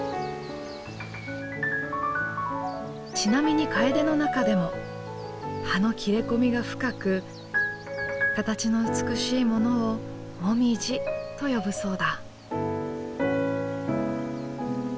ちなみにカエデの中でも葉の切れ込みが深く形の美しいものを「もみじ」と呼ぶそうだ。